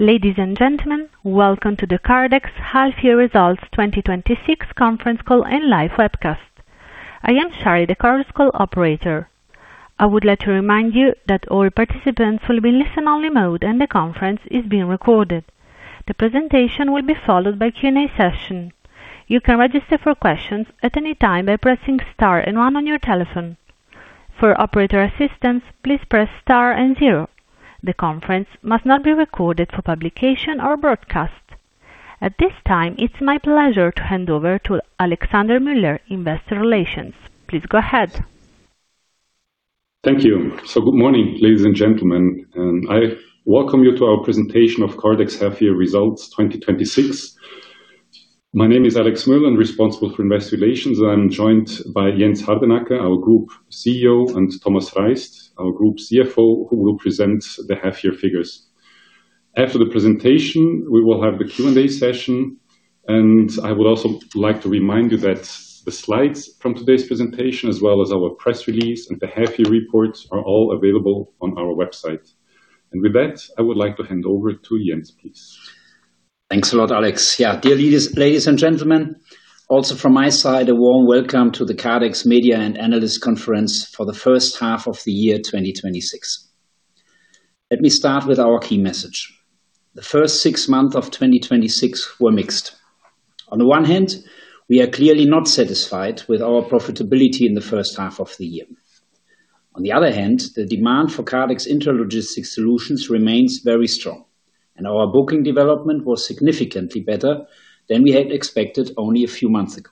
Ladies and gentlemen, welcome to the Kardex half year results 2026 conference call and live webcast. I am Shari, the conference call operator. I would like to remind you that all participants will be listen-only mode, and the conference is being recorded. The presentation will be followed by a Q&A session. You can register for questions at any time by pressing star and one on your telephone. For operator assistance, please press star and zero. The conference must not be recorded for publication or broadcast. At this time, it's my pleasure to hand over to Alexandre Müller, Investor Relations. Please go ahead. Thank you. Good morning, ladies and gentlemen. I welcome you to our presentation of Kardex half year results 2026. My name is Alex Müller. I'm responsible for investor relations, and I'm joined by Jens Hardenacke, our Group CEO, and Thomas Reist, our Group CFO, who will present the half-year figures. After the presentation, we will have the Q&A session. I would also like to remind you that the slides from today's presentation, as well as our press release and the half-year reports, are all available on our website. With that, I would like to hand over to Jens, please. Thanks a lot, Alex. Dear ladies and gentlemen, also from my side, a warm welcome to the Kardex Media and Analyst Conference for the first half of the year 2026. Let me start with our key message. The first six months of 2026 were mixed. On the one hand, we are clearly not satisfied with our profitability in the first half of the year. On the other hand, the demand for Kardex intralogistics solutions remains very strong, and our booking development was significantly better than we had expected only a few months ago.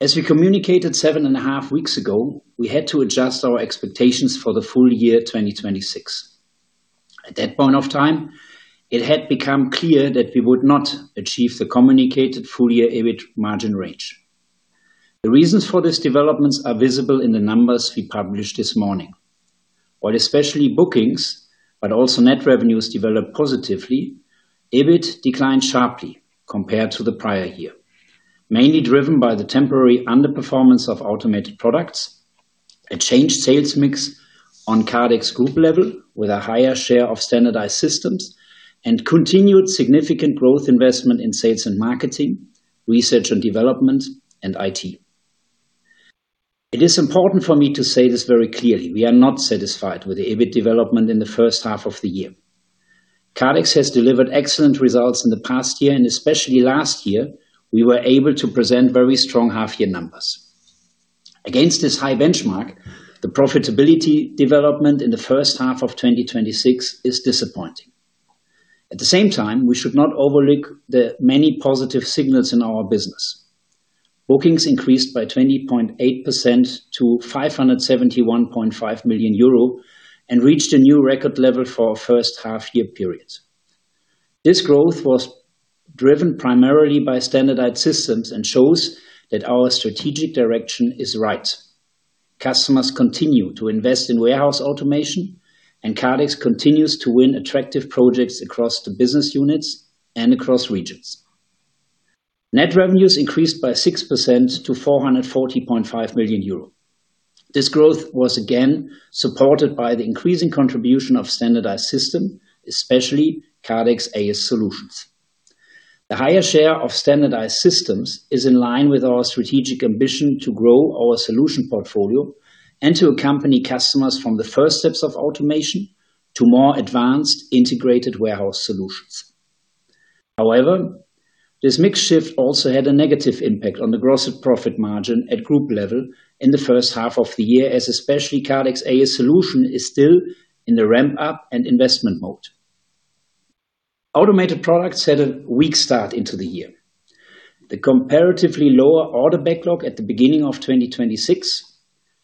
As we communicated seven and a half weeks ago, we had to adjust our expectations for the full year 2026. At that point of time, it had become clear that we would not achieve the communicated full-year EBIT margin range. The reasons for these developments are visible in the numbers we published this morning. While especially bookings, but also net revenues developed positively, EBIT declined sharply compared to the prior year, mainly driven by the temporary underperformance of automated products, a changed sales mix on Kardex Group level with a higher share of standardized systems, and continued significant growth investment in sales and marketing, research and development, and IT. It is important for me to say this very clearly. We are not satisfied with the EBIT development in the first half of the year. Kardex has delivered excellent results in the past year, and especially last year, we were able to present very strong half-year numbers. Against this high benchmark, the profitability development in the first half of 2026 is disappointing. At the same time, we should not overlook the many positive signals in our business. Bookings increased by 20.8% to 571.5 million euro and reached a new record level for our first half-year period. This growth was driven primarily by standardized systems and shows that our strategic direction is right. Customers continue to invest in warehouse automation, Kardex continues to win attractive projects across the business units and across regions. Net revenues increased by 6% to 440.5 million euro. This growth was again supported by the increasing contribution of standardized system, especially Kardex AS Solutions. The higher share of standardized systems is in line with our strategic ambition to grow our solution portfolio and to accompany customers from the first steps of automation to more advanced integrated warehouse solutions. This mix shift also had a negative impact on the gross profit margin at group level in the first half of the year, as especially Kardex AS Solutions is still in the ramp-up and investment mode. Automated products had a weak start into the year. The comparatively lower order backlog at the beginning of 2026,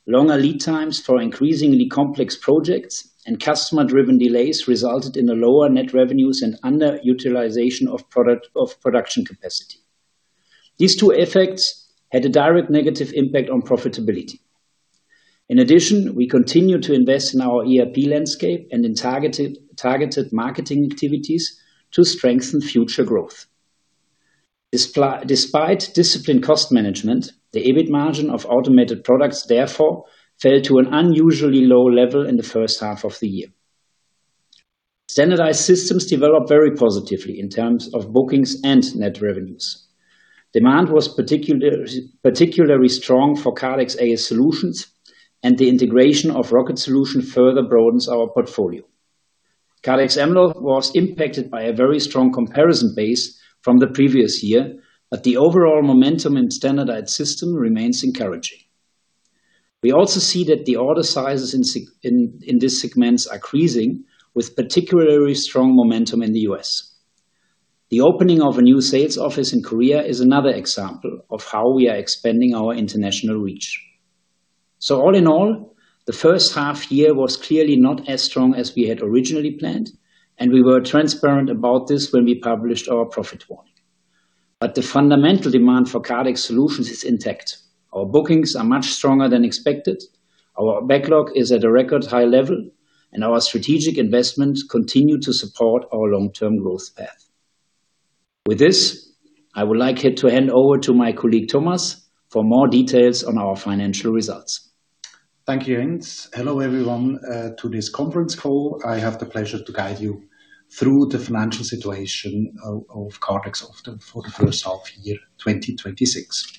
longer lead times for increasingly complex projects, and customer-driven delays resulted in the lower net revenues and underutilization of production capacity. These two effects had a direct negative impact on profitability. In addition, we continue to invest in our ERP landscape and in targeted marketing activities to strengthen future growth. Despite disciplined cost management, the EBIT margin of automated products therefore fell to an unusually low level in the first half of the year. Standardized systems developed very positively in terms of bookings and net revenues. Demand was particularly strong for Kardex AS Solutions, and the integration of Rocket Solution further broadens our portfolio. Kardex Mlog was impacted by a very strong comparison base from the previous year, but the overall momentum in standardized system remains encouraging. We also see that the order sizes in these segments are increasing with particularly strong momentum in the U.S. The opening of a new sales office in Korea is another example of how we are expanding our international reach. All in all, the first half year was clearly not as strong as we had originally planned, and we were transparent about this when we published our profit warning. The fundamental demand for Kardex solutions is intact. Our bookings are much stronger than expected. Our backlog is at a record high level, and our strategic investments continue to support our long-term growth path. With this, I would like to hand over to my colleague, Thomas, for more details on our financial results. Thank you, Jens. Hello, everyone, to this conference call. I have the pleasure to guide you through the financial situation of Kardex for the first half year 2026.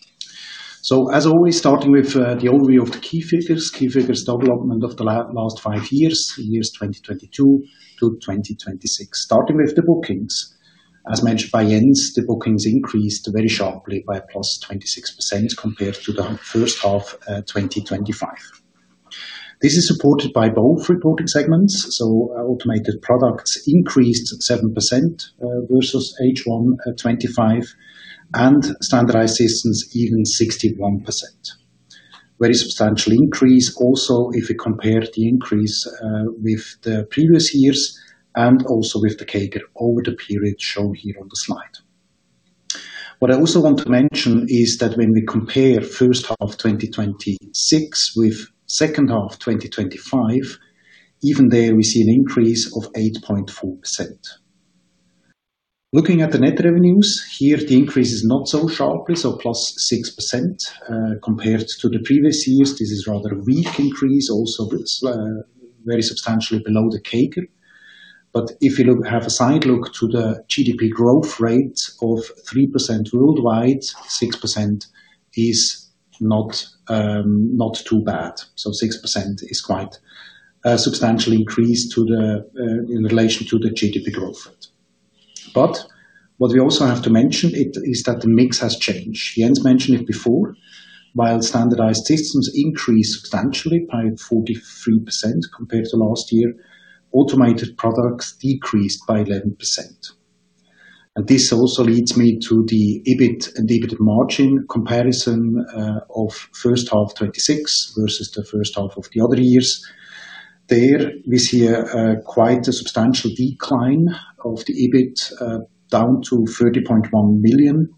As always, starting with the overview of the key figures. Key figures development of the last five years, the years 2022 to 2026. Starting with the bookings. As mentioned by Jens, the bookings increased very sharply by +26% compared to the first half 2025. This is supported by both reporting segments, automated products increased 7% versus H1 2025 and standardized systems even 61%. Very substantial increase also if we compare the increase with the previous years and also with the CAGR over the period shown here on the slide. What I also want to mention is that when we compare first half 2026 with second half 2025, even there we see an increase of 8.4%. Looking at the net revenues, here the increase is not so sharply, +6% compared to the previous years. This is rather a weak increase, also very substantially below the CAGR. If you have a side look to the GDP growth rate of 3% worldwide, 6% is not too bad. 6% is quite a substantial increase in relation to the GDP growth rate. What we also have to mention is that the mix has changed. Jens mentioned it before. While standardized systems increased substantially by 43% compared to last year, automated products decreased by 11%. This also leads me to the EBIT and EBIT margin comparison of first half 2026 versus the first half of the other years. There we see quite a substantial decline of the EBIT down to 30.1 million,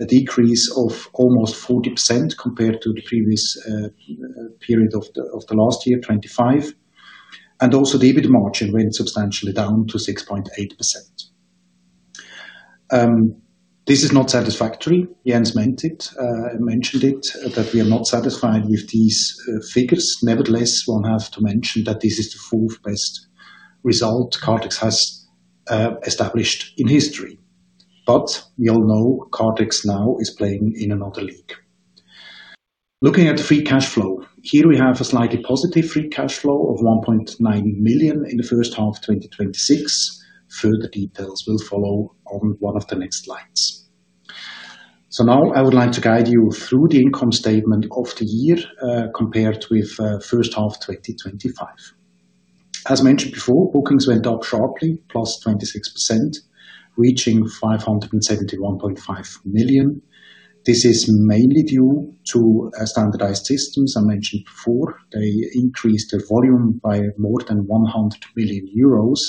a decrease of almost 40% compared to the previous period of the last year, 2025. Also the EBIT margin went substantially down to 6.8%. This is not satisfactory. Jens mentioned it, that we are not satisfied with these figures. Nevertheless, one has to mention that this is the fourth-best result Kardex has established in history. We all know Kardex now is playing in another league. Looking at free cash flow, here we have a slightly positive free cash flow of 1.9 million in the first half 2026. Further details will follow on one of the next slides. Now I would like to guide you through the income statement of the year, compared with first half 2025. As mentioned before, bookings went up sharply, +26%, reaching 571.5 million. This is mainly due to standardized systems I mentioned before. They increased the volume by more than 100 million euros.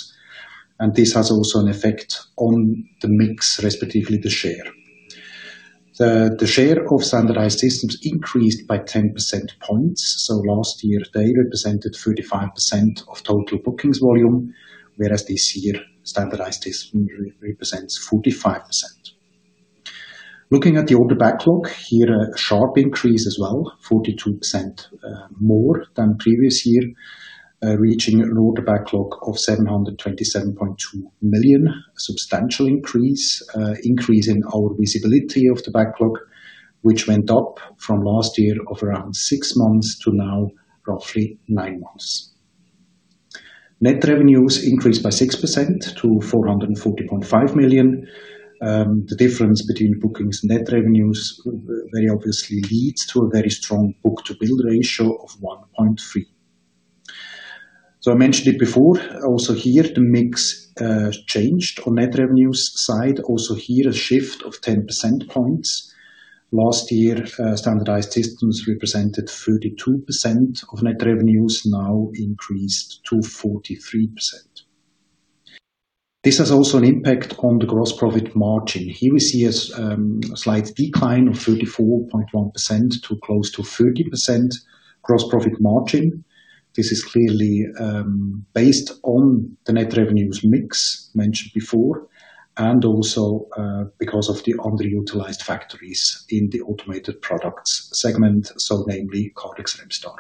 This has also an effect on the mix, respectively, the share. The share of standardized systems increased by 10%. Last year they represented 35% of total bookings volume, whereas this year standardized system represents 45%. Looking at the order backlog, here a sharp increase as well, 42% more than previous year, reaching an order backlog of 727.2 million. A substantial increase in our visibility of the backlog, which went up from last year of around six months to now roughly nine months. Net revenues increased by 6% to 440.5 million. The difference between bookings and net revenues very obviously leads to a very strong book-to-bill ratio of 1.3. I mentioned it before, also here the mix changed on net revenues side. Also here a shift of 10 percentage points. Last year, standardized systems represented 32% of net revenues, now increased to 43%. This has an impact on the gross profit margin. Here we see a slight decline of 34.1% to close to 30% gross profit margin. This is clearly based on the net revenues mix mentioned before, and because of the underutilized factories in the automated products segment, namely Kardex Remstar.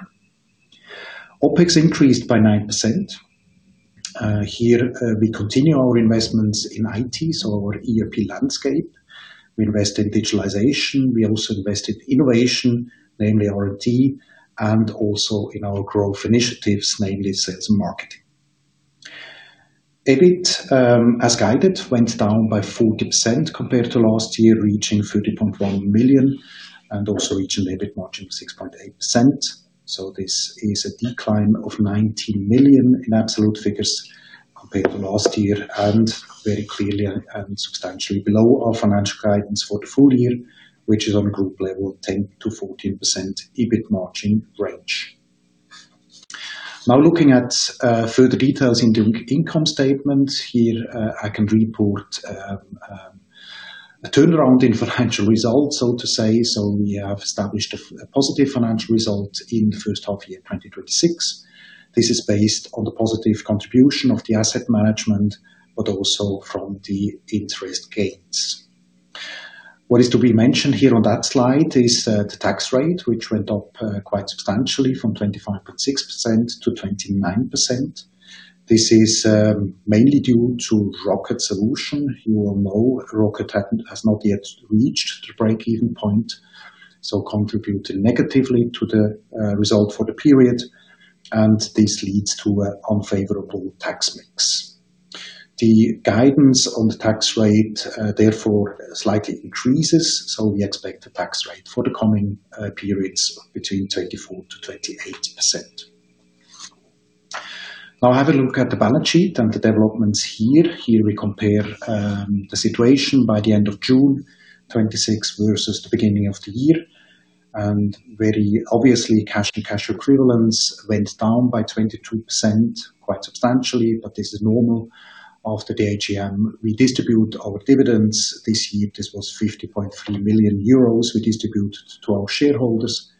OpEx increased by 9%. Here we continue our investments in IT, our ERP landscape. We invest in digitalization. We invest in innovation, namely R&D, and in our growth initiatives, namely sales and marketing. EBIT, as guided, went down by 40% compared to last year, reaching 30.1 million and reaching EBIT margin of 6.8%. This is a decline of 19 million in absolute figures compared to last year, and very clearly and substantially below our financial guidance for the full year, which is on a group level of 10%-14% EBIT margin range. Looking at further details in the income statement. Here I can report a turnaround in financial results, so to say. We have established a positive financial result in the first half year 2026. This is based on the positive contribution of the asset management, but from the interest gains. What is to be mentioned here on that slide is the tax rate, which went up quite substantially from 25.6% to 29%. This is mainly due to Rocket Solution. You will know Rocket has not yet reached the breakeven point, contributed negatively to the result for the period, and this leads to an unfavorable tax mix. The guidance on the tax rate, therefore, slightly increases. We expect the tax rate for the coming periods between 24%-28%. Have a look at the balance sheet and the developments here. Here we compare the situation by the end of June 2026 versus the beginning of the year, and very obviously, cash and cash equivalents went down by 22%, quite substantially, but this is normal. After the AGM, we distribute our dividends. This year, this was 50.3 million euros we distributed to our shareholders,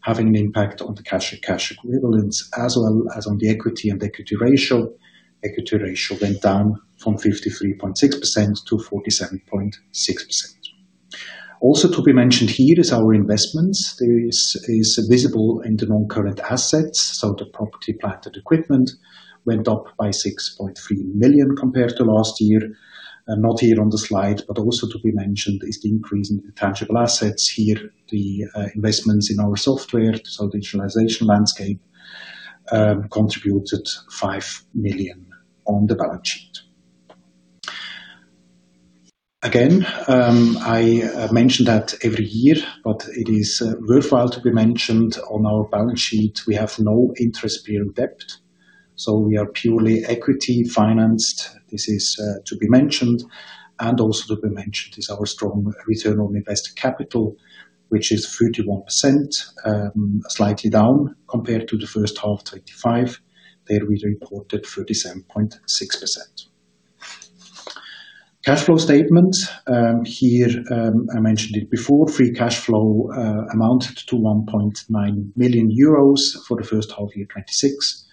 having an impact on the cash equivalents, as well as on the equity and equity ratio. Equity ratio went down from 53.6% to 47.6%. Also to be mentioned here is our investments. This is visible in the non-current assets, the property, plant and equipment went up by 6.3 million compared to last year. Not here on the slide, but to be mentioned is the increase in intangible assets here, the investments in our software. Digitalization landscape contributed 5 million on the balance sheet. Again, I mention that every year, but it is worthwhile to be mentioned on our balance sheet, we have no interest-bearing debt, we are purely equity-financed. This is to be mentioned, and to be mentioned is our strong return on invested capital, which is 31%, slightly down compared to the first half 2025. There we reported 37.6%. Cash flow statement. Here, I mentioned it before, free cash flow amounted to 1.9 million euros for the first half year 2026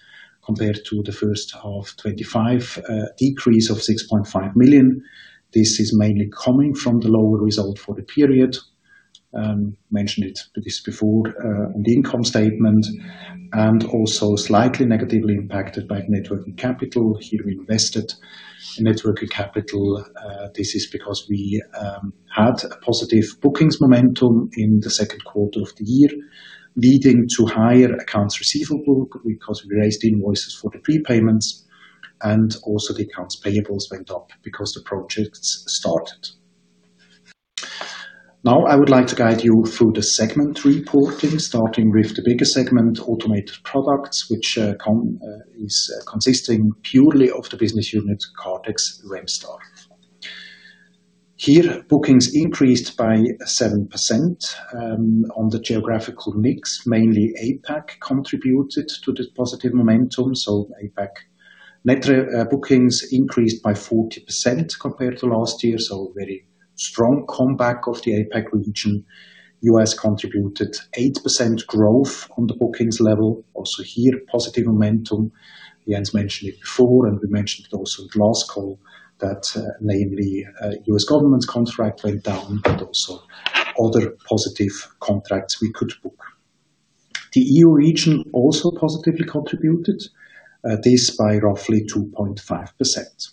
compared to the first half 2025, a decrease of 6.5 million. This is mainly coming from the lower result for the period. Mentioned this before on the income statement, and slightly negatively impacted by networking capital. Here we invested Net Working Capital. this is because we had a positive bookings momentum in the second quarter of the year, leading to higher accounts receivable because we raised invoices for the prepayments and also the accounts payables went up because the projects started. I would like to guide you through the segment reporting, starting with the biggest segment, Automated Products, which is consisting purely of the business unit Kardex Remstar. Here, bookings increased by 7%. On the geographical mix, mainly APAC contributed to this positive momentum. APAC net bookings increased by 40% compared to last year. A very strong comeback of the APAC region. U.S. contributed 8% growth on the bookings level. Also here, positive momentum. Jens mentioned it before, and we mentioned it also at last call, that namely a U.S. government contract went down, also other positive contracts we could book. The EU region also positively contributed. This by roughly 2.5%.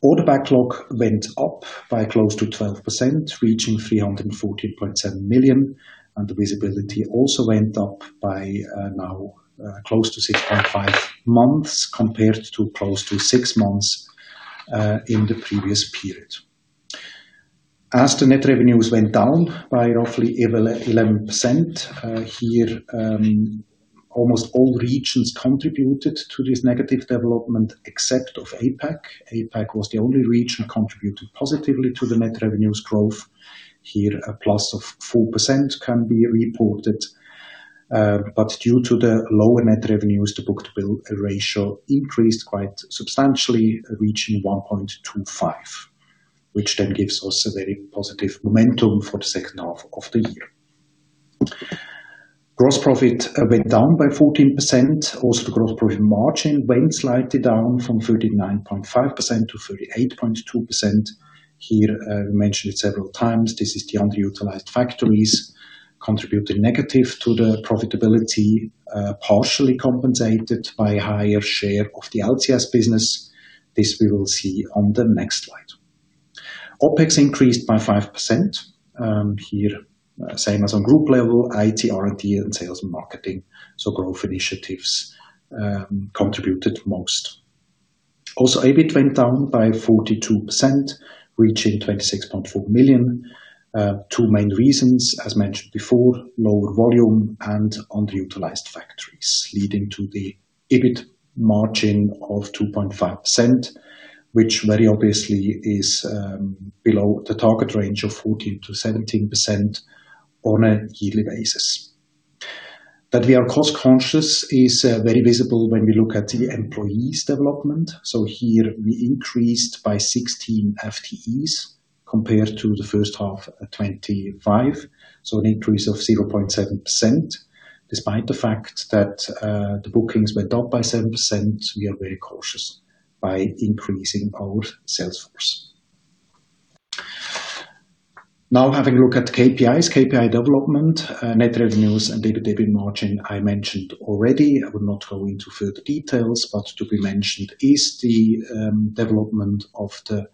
Order backlog went up by close to 12%, reaching 340.7 million, the visibility also went up by now close to 6.5 months compared to close to six months, in the previous period. As the net revenues went down by roughly 11%, here almost all regions contributed to this negative development except of APAC. APAC was the only region contributing positively to the net revenues growth. Here, a plus of 4% can be reported. Due to the lower net revenues, the book-to-bill ratio increased quite substantially, reaching 1.25, which gives us a very positive momentum for the second half of the year. Gross profit went down by 14%. Also, the gross profit margin went slightly down from 39.5%-38.2%. Here, I mentioned it several times, this is the underutilized factories contributing negative to the profitability, partially compensated by a higher share of the LCS business. This we will see on the next slide. OpEx increased by 5%. Here, same as on group level, IT, R&D, and sales and marketing. Growth initiatives contributed most. EBIT went down by 42%, reaching 26.4 million. Two main reasons, as mentioned before, lower volume and underutilized factories, leading to the EBIT margin of 2.5%, which very obviously is below the target range of 14%-17% on a yearly basis. That we are cost-conscious is very visible when we look at the employees development. Here we increased by 16 FTEs compared to the first half of 2025, an increase of 0.7%. Despite the fact that the bookings went up by 7%, we are very cautious by increasing our sales force. Having a look at KPIs, KPI development, net revenues and EBITDA margin, I mentioned already. I will not go into further details, but to be mentioned is the development of the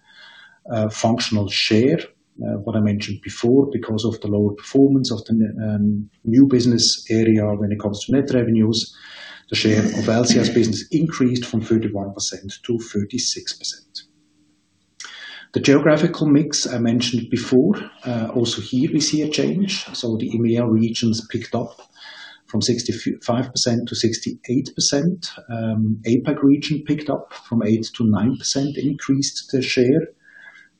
functional share. What I mentioned before, because of the lower performance of the new business area when it comes to net revenues, the share of LCS business increased from 31%-36%. The geographical mix I mentioned before. Also here we see a change. The EMEA regions picked up from 65%-68%. APAC region picked up from 8%-9%, increased the share,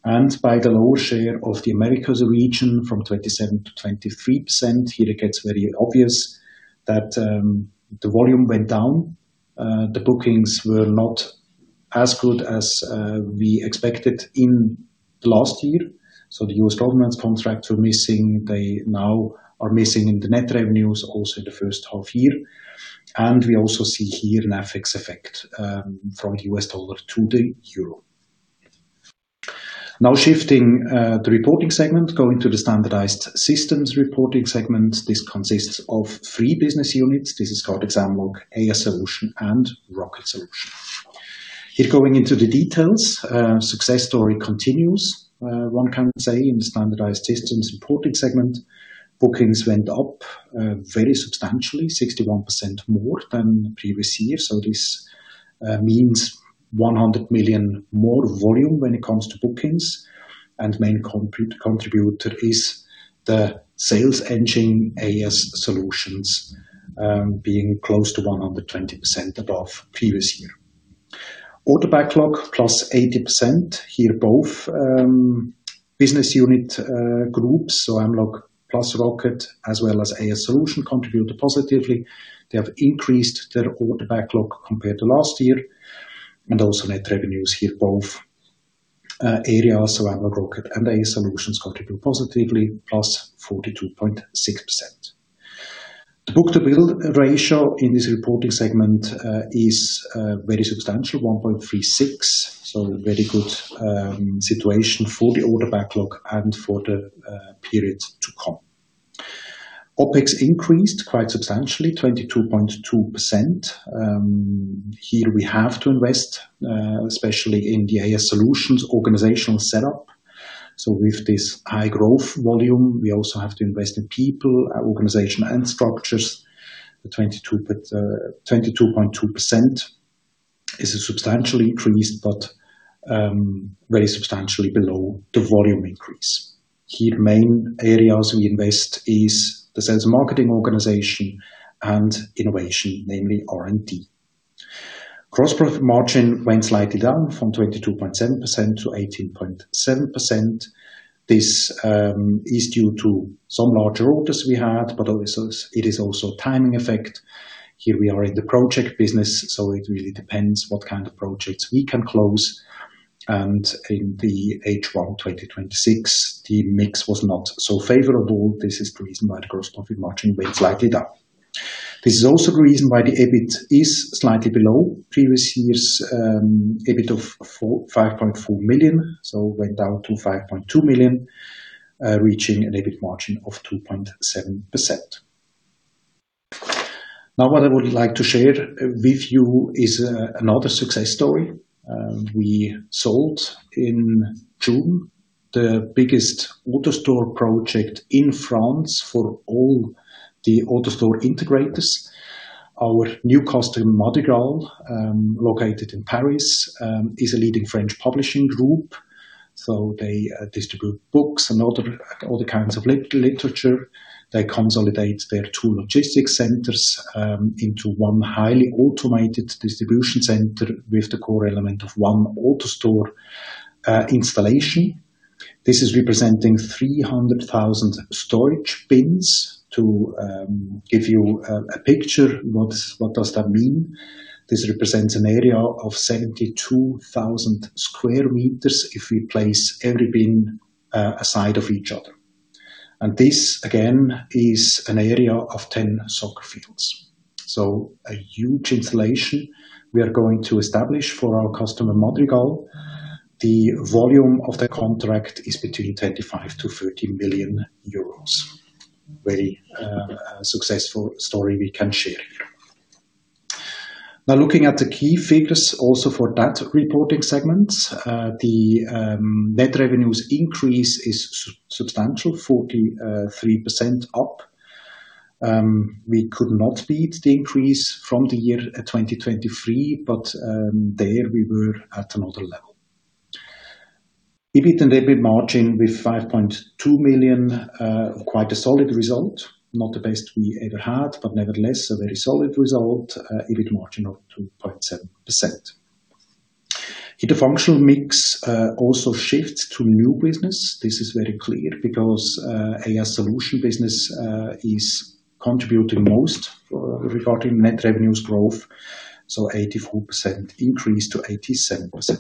and by the lower share of the Americas region from 27%-23%. Here it gets very obvious that the volume went down. The bookings were not as good as we expected in last year. The U.S. government contracts were missing. They now are missing in the net revenues also in the first half year. We also see here an FX effect, from the US dollar to the euro. Shifting the reporting segment, going to the standardized systems reporting segment. This consists of three business units. This is called Mlog, AS Solutions, and Rocket Solution. Going into the details, success story continues, one can say in the standardized systems reporting segment. Bookings went up very substantially, 61% more than previous year. This means 100 million more volume when it comes to bookings, and main contributor is the sales engine AS Solutions, being close to 120% above previous year. Order backlog +80%. Both business unit groups, Mlog plus Rocket, as well as AS Solutions contributed positively. They have increased their order backlog compared to last year. Also net revenues here both areas, Mlog, Rocket, and AS Solutions contribute positively, +42.6%. The book-to-bill ratio in this reporting segment is very substantial, 1.36. Very good situation for the order backlog and for the periods to come. OpEx increased quite substantially, 22.2%. We have to invest, especially in the AS Solutions organizational setup. With this high growth volume, we also have to invest in people, organization, and structures. The 22.2% is a substantial increase, but very substantially below the volume increase. Main areas we invest is the sales marketing organization and innovation, namely R&D. Gross profit margin went slightly down from 22.7% to 18.7%. This is due to some larger orders we had, but it is also timing effect. We are in the project business, it really depends what kind of projects we can close. In the H1 2026, the mix was not so favorable. This is the reason why the gross profit margin went slightly down. This is also the reason why the EBIT is slightly below previous year's EBIT of 5.4 million. Went down to 5.2 million, reaching an EBIT margin of 2.7%. What I would like to share with you is another success story. We sold in June the biggest AutoStore project in France for all the AutoStore integrators. Our new customer, Madrigall, located in Paris, is a leading French publishing group. They distribute books and all the kinds of literature. They consolidate their two logistics centers into one highly automated distribution center with the core element of one AutoStore installation. This is representing 300,000 storage bins. To give you a picture, what does that mean? This represents an area of 72,000 sq m if we place every bin aside of each other. This again is an area of 10 soccer fields. A huge installation we are going to establish for our customer, Madrigall. The volume of the contract is between 25 million-30 million euros. Very successful story we can share here. Looking at the key figures also for that reporting segment. The net revenues increase is substantial, 43% up. We could not beat the increase from the year 2023, but there we were at another level. EBIT and EBIT margin with 5.2 million, quite a solid result. Not the best we ever had, but nevertheless a very solid result. EBIT margin of 2.7%. The functional mix also shifts to new business. This is very clear because AS Solutions business is contributing most regarding net revenue growth, 84% increase to 87%.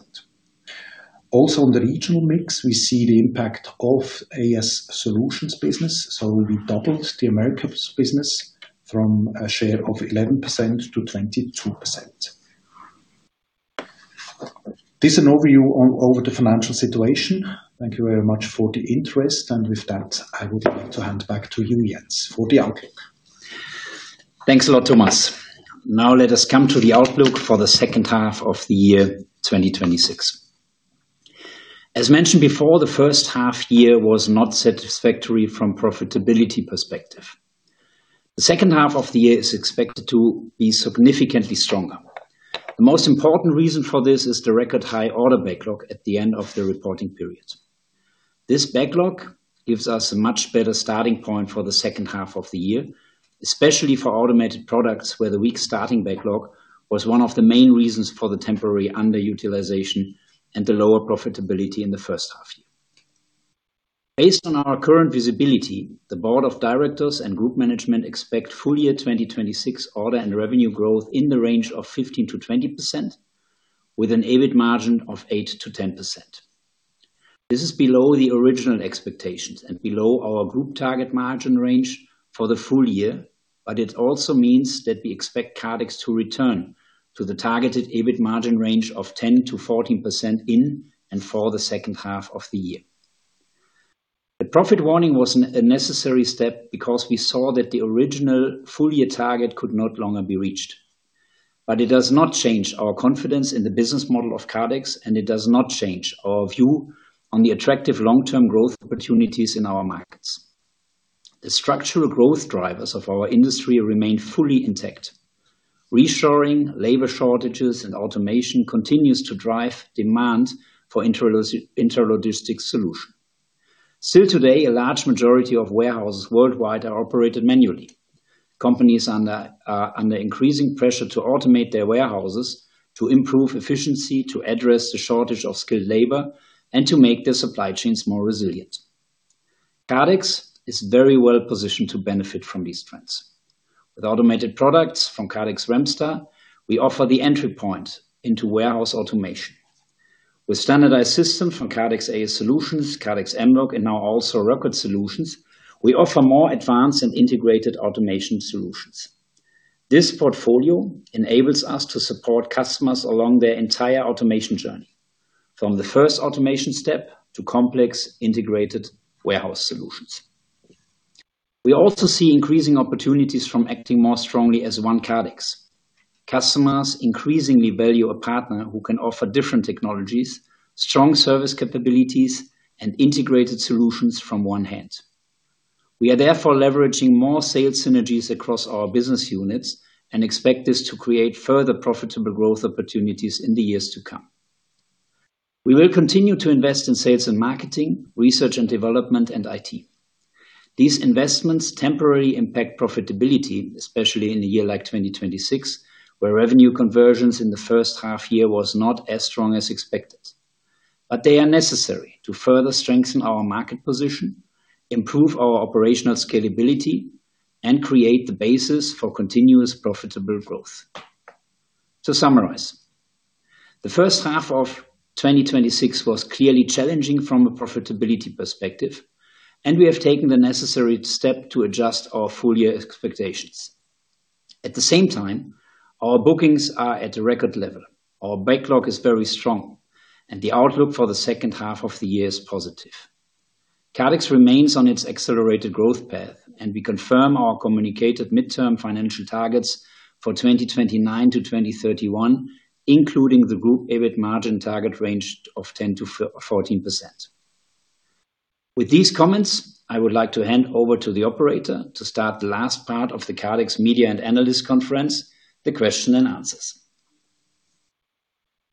Also, on the regional mix, we see the impact of AS Solutions business. We doubled the Americas business from a share of 11% to 22%. This is an overview over the financial situation. Thank you very much for the interest. With that, I would like to hand back to you, Jens, for the outlook. Thanks a lot, Thomas. Let us come to the outlook for the second half-year 2026. As mentioned before, the first half-year was not satisfactory from profitability perspective. The second half-year is expected to be significantly stronger. The most important reason for this is the record high order backlog at the end of the reporting period. This backlog gives us a much better starting point for the second half-year, especially for automated products where the weak starting backlog was one of the main reasons for the temporary underutilization and the lower profitability in the first half-year. Based on our current visibility, the board of directors and group management expect full-year 2026 order and revenue growth in the range of 15%-20%, with an EBIT margin of 8%-10%. This is below the original expectations and below our group target margin range for the full-year, it also means that we expect Kardex to return to the targeted EBIT margin range of 10%-14% in and for the second half-year. The profit warning was a necessary step because we saw that the original full-year target could no longer be reached. It does not change our confidence in the business model of Kardex, and it does not change our view on the attractive long-term growth opportunities in our markets. The structural growth drivers of our industry remain fully intact. Reshoring labor shortages and automation continues to drive demand for intralogistics solution. Still today, a large majority of warehouses worldwide are operated manually. Companies are under increasing pressure to automate their warehouses to improve efficiency, to address the shortage of skilled labor, and to make their supply chains more resilient. Kardex is very well positioned to benefit from these trends. With automated products from Kardex Remstar, we offer the entry point into warehouse automation. With standardized system from Kardex AS Solutions, Kardex Mlog, and now also Rocket Solution, we offer more advanced and integrated automation solutions. This portfolio enables us to support customers along their entire automation journey, from the first automation step to complex integrated warehouse solutions. We also see increasing opportunities from acting more strongly as One Kardex. Customers increasingly value a partner who can offer different technologies, strong service capabilities, and integrated solutions from one hand. We are therefore leveraging more sales synergies across our business units and expect this to create further profitable growth opportunities in the years to come. We will continue to invest in sales and marketing, research and development, and IT. These investments temporarily impact profitability, especially in a year like 2026, where revenue conversions in the first half year was not as strong as expected. They are necessary to further strengthen our market position, improve our operational scalability, and create the basis for continuous profitable growth. To summarize, the first half of 2026 was clearly challenging from a profitability perspective, and we have taken the necessary step to adjust our full year expectations. At the same time, our bookings are at a record level. Our backlog is very strong, and the outlook for the second half of the year is positive. Kardex remains on its accelerated growth path, and we confirm our communicated midterm financial targets for 2029 to 2031, including the group EBIT margin target range of 10%-14%. With these comments, I would like to hand over to the operator to start the last part of the Kardex Media and Analyst Conference, the question and answers.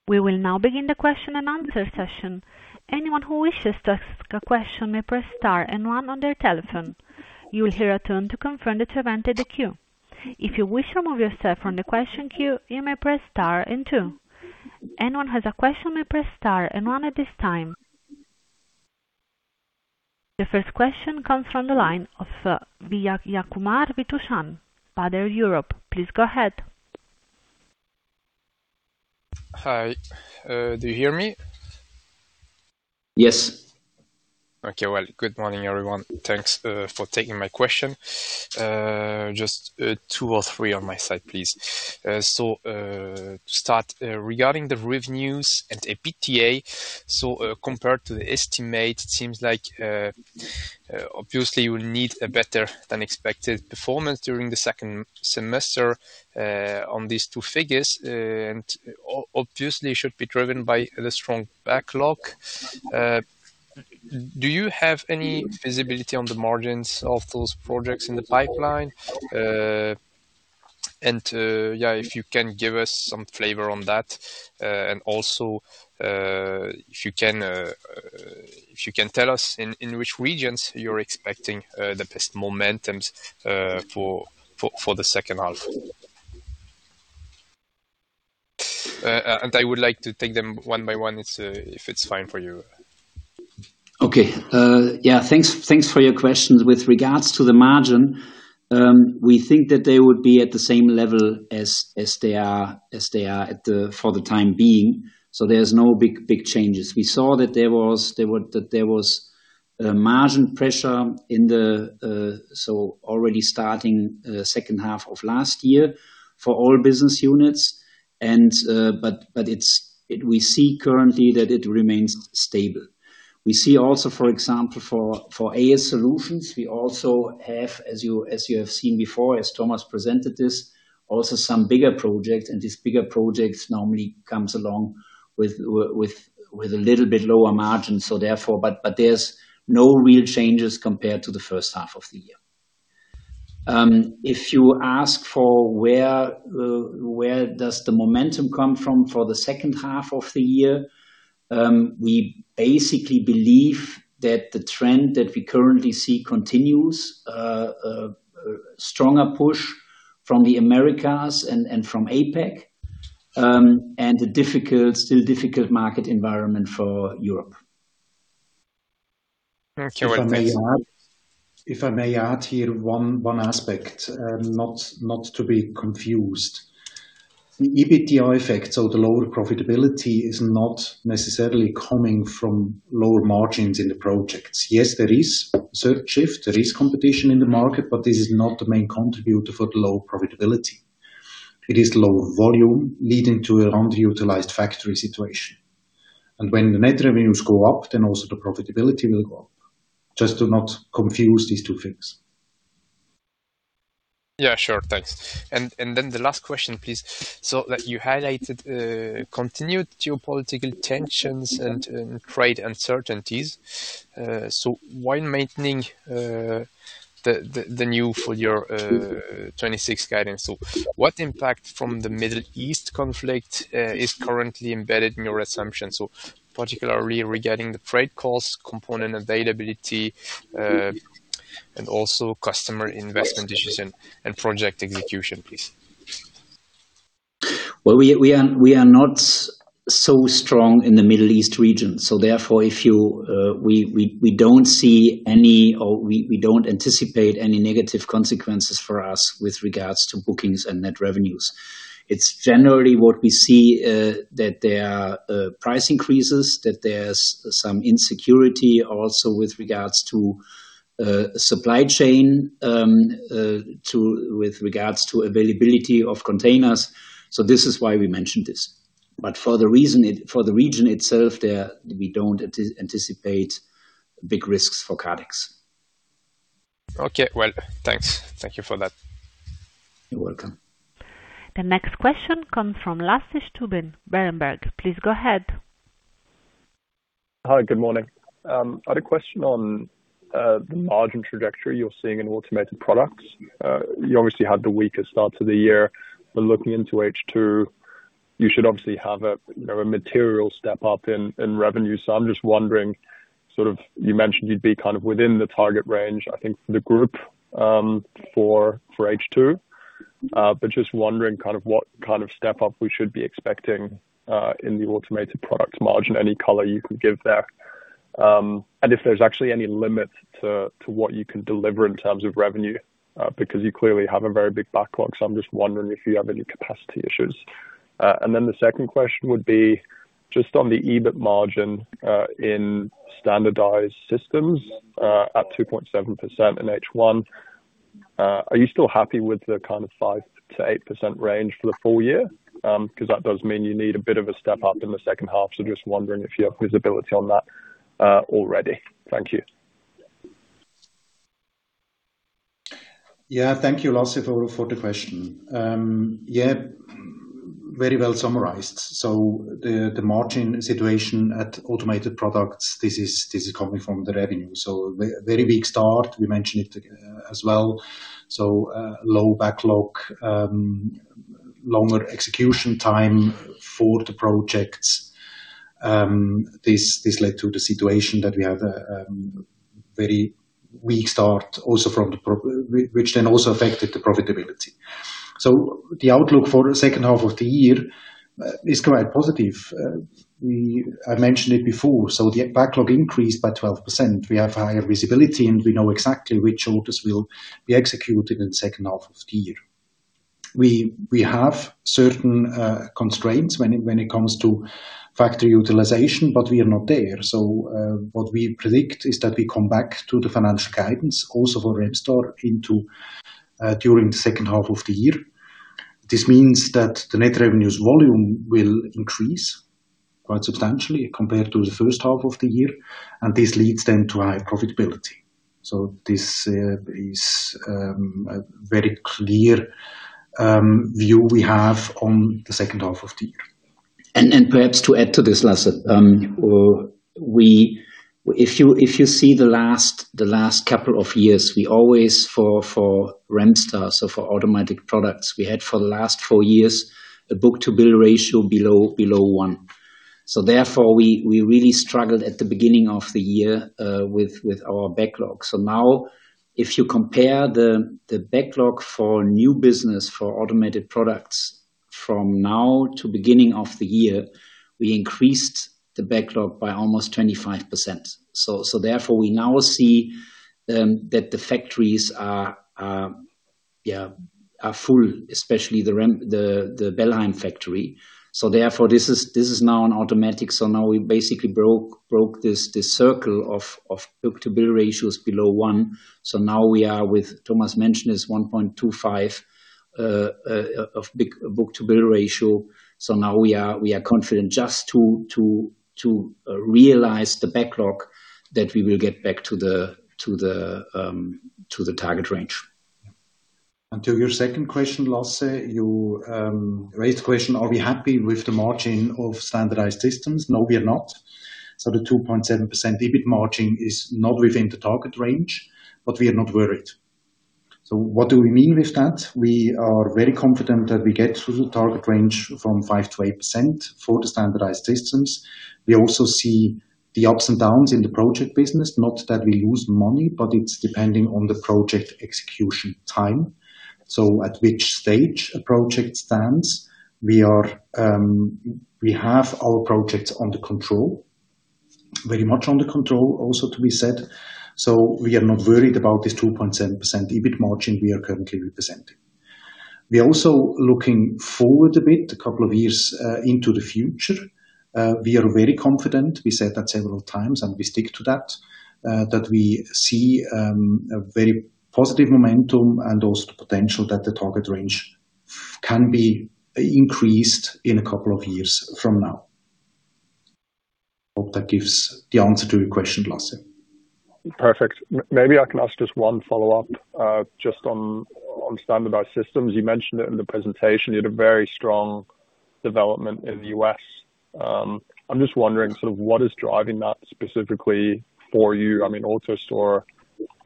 We will now begin the question and answer session. Anyone who wishes to ask a question may press star and one on their telephone. You will hear a tone to confirm that you have entered the queue. If you wish to remove yourself from the question queue, you may press star and two. Anyone has a question may press star and one at this time. The first question comes from the line of Vijayakumar Vitushan, Baader Europe. Please go ahead. Hi. Do you hear me? Yes. Okay. Well, good morning, everyone. Thanks for taking my question. Just two or three on my side, please. To start, regarding the revenues and EBIT, compared to the estimate, it seems like, obviously, you will need a better than expected performance during the second semester on these two figures, and obviously should be driven by the strong backlog. Do you have any visibility on the margins of those projects in the pipeline? If you can give us some flavor on that, and also if you can tell us in which regions you're expecting the best momentums for the second half. I would like to take them one by one, if it's fine for you. Okay. Yeah, thanks for your questions. With regards to the margin, we think that they would be at the same level as they are for the time being. There's no big changes. We saw that there was margin pressure in the, already starting the second half of last year for all business units. We see currently that it remains stable. We see also, for example, for AS Solutions, we also have, as you have seen before, as Thomas presented this, also some bigger projects, and these bigger projects normally comes along with a little bit lower margin. There's no real changes compared to the first half of the year. If you ask for where does the momentum come from for the second half of the year, we basically believe that the trend that we currently see continues. A stronger push from the Americas and from APAC, and a still difficult market environment for Europe. Thank you. If I may add here one aspect, not to be confused. The EBITDA effect or the lower profitability is not necessarily coming from lower margins in the projects. Yes, there is certain shift, there is competition in the market, but this is not the main contributor for the low profitability. It is low volume leading to an underutilized factory situation. When the net revenues go up, also the profitability will go up. Just to not confuse these two things. Yeah, sure. Thanks. The last question, please. Like you highlighted, continued geopolitical tensions and trade uncertainties. While maintaining the new full year 2026 guidance. What impact from the Middle East conflict is currently embedded in your assumption? Particularly regarding the freight cost, component availability, and also customer investment decisions and project execution, please. Well, we are not so strong in the Middle East region. Therefore, we don't anticipate any negative consequences for us with regards to bookings and net revenues. It's generally what we see, that there are price increases, that there's some insecurity also with regards to supply chain, with regards to availability of containers. This is why we mentioned this. For the region itself, we don't anticipate big risks for Kardex. Okay. Well, thanks. Thank you for that. You're welcome. The next question comes from Lasse Stüben, Berenberg. Please go ahead. Hi. Good morning. I had a question on the margin trajectory you're seeing in automated products. You obviously had the weaker start to the year, but looking into H2, you should obviously have a material step up in revenue. I'm just wondering, you mentioned you'd be within the target range, I think, for the group, for H2. Just wondering what kind of step up we should be expecting, in the automated products margin. Any color you can give there. If there's actually any limit to what you can deliver in terms of revenue, because you clearly have a very big backlog. I'm just wondering if you have any capacity issues. The second question would be just on the EBIT margin, in standardized systems, at 2.7% in H1. Are you still happy with the kind of 5%-8% range for the full year? That does mean you need a bit of a step up in the second half. Just wondering if you have visibility on that already. Thank you. Thank you, Lasse, for the question. Very well summarized. The margin situation at automated products, this is coming from the revenue. Very weak start. We mentioned it as well. Low backlog, longer execution time for the projects. This led to the situation that we had a very weak start, which then also affected the profitability. The outlook for the second half of the year is quite positive. I mentioned it before, the backlog increased by 12%. We have higher visibility, and we know exactly which orders will be executed in the second half of the year. We have certain constraints when it comes to factory utilization, but we are not there. What we predict is that we come back to the financial guidance also for Remstar during the second half of the year. This means that the net revenues volume will increase quite substantially compared to the first half of the year, and this leads then to high profitability. This is a very clear view we have on the second half of the year. Perhaps to add to this, Lasse. If you see the last couple of years, we always for Remstar, for automatic products, we had for the last four years a book-to-bill ratio below one. Therefore, we really struggled at the beginning of the year with our backlog. Now, if you compare the backlog for new business for automated products from now to beginning of the year, we increased the backlog by almost 25%. Therefore, we now see that the factories are full, especially the Bellheim factory. Therefore, this is now on automatic. Now we basically broke this circle of book-to-bill ratios below one. Now we are, with Thomas mentioned, is 1.25 of book-to-bill ratio. Now we are confident just to realize the backlog that we will get back to the target range. To your second question, Lasse, you raised the question, are we happy with the margin of standardized systems? No, we are not. The 2.7% EBIT margin is not within the target range, but we are not worried. What do we mean with that? We are very confident that we get to the target range from 5%-8% for the standardized systems. We also see the ups and downs in the project business, not that we lose money, but it's depending on the project execution time. At which stage a project stands. We have our projects under control, very much under control also to be said. We are not worried about this 2.7% EBIT margin we are currently representing. We are also looking forward a bit, a couple of years into the future. We are very confident, we said that several times, and we stick to that we see a very positive momentum and also the potential that the target range can be increased in a couple of years from now. Hope that gives the answer to your question, Lasse. Perfect. Maybe I can ask just one follow-up, just on standardized systems. You mentioned it in the presentation, you had a very strong development in the U.S. I'm just wondering, what is driving that specifically for you? AutoStore,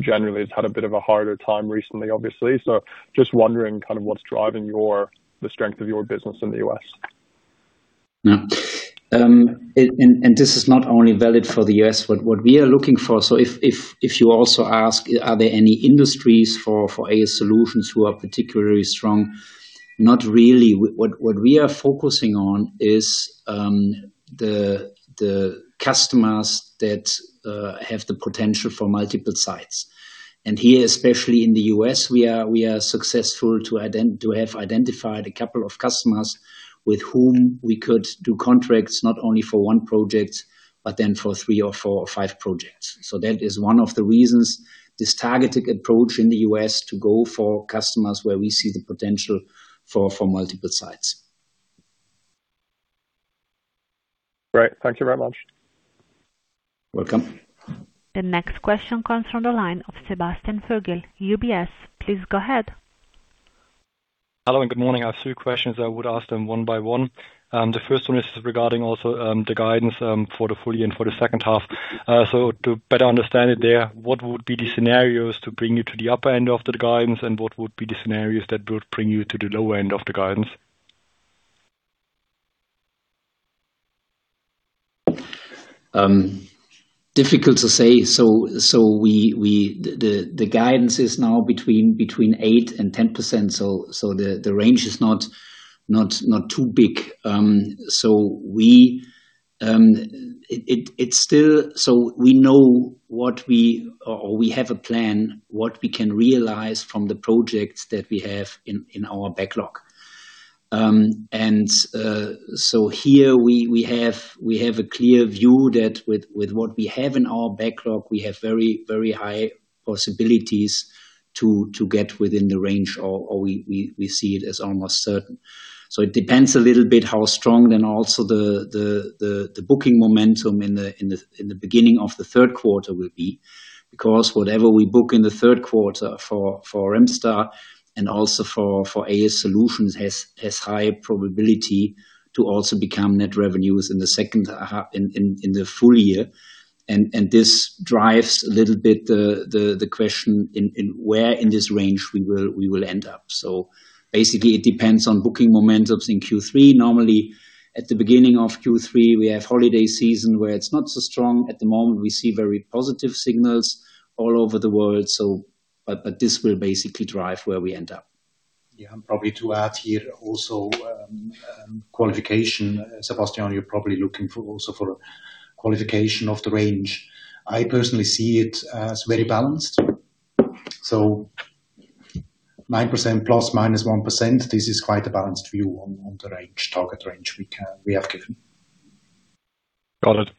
generally, has had a bit of a harder time recently, obviously. Just wondering what's driving the strength of your business in the U.S. This is not only valid for the U.S., what we are looking for. If you also ask, are there any industries for AS Solutions who are particularly strong? Not really. What we are focusing on is the customers that have the potential for multiple sites. Here, especially in the U.S., we are successful to have identified a couple of customers with whom we could do contracts not only for one project, but then for three or four or five projects. That is one of the reasons, this targeted approach in the U.S. to go for customers where we see the potential for multiple sites. Great. Thank you very much. Welcome. The next question comes from the line of Sebastian Furgal, UBS. Please go ahead. Hello, and good morning. I have two questions. I would ask them one by one. The first one is regarding also the guidance for the full year and for the second half. To better understand it there, what would be the scenarios to bring you to the upper end of the guidance, and what would be the scenarios that would bring you to the lower end of the guidance? Difficult to say. The guidance is now between 8% and 10%, so the range is not too big. We have a plan, what we can realize from the projects that we have in our backlog. Here we have a clear view that with what we have in our backlog, we have very high possibilities to get within the range, or we see it as almost certain. It depends a little bit how strong then also the booking momentum in the beginning of the third quarter will be. Because whatever we book in the third quarter for Mlog and also for AS Solutions has high probability to also become net revenues in the full year. This drives a little bit the question in where in this range we will end up. Basically, it depends on booking momentums in Q3. Normally, at the beginning of Q3, we have holiday season, where it's not so strong. At the moment, we see very positive signals all over the world. This will basically drive where we end up. Yeah, probably to add here also, qualification. Sebastian, you're probably looking also for qualification of the range. I personally see it as very balanced. 9% ± 1%, this is quite a balanced view on the target range we have given. Got it.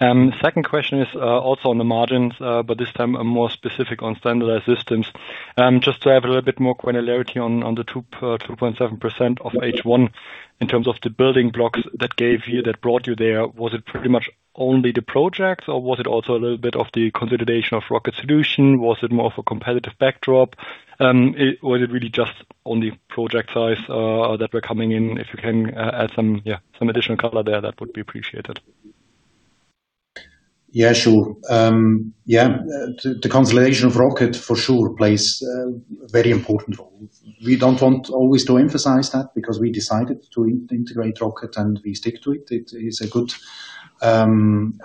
Second question is also on the margins, this time more specific on standardized systems. Just to have a little bit more granularity on the 2.7% of H1 in terms of the building blocks that brought you there. Was it pretty much only the projects, or was it also a little bit of the consolidation of Rocket Solution? Was it more of a competitive backdrop? Was it really just only project size that were coming in? If you can add some additional color there, that would be appreciated. Yeah, sure. The consolidation of Rocket for sure plays a very important role. We don't want always to emphasize that because we decided to integrate Rocket, we stick to it. It is a good